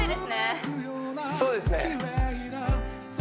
そうですね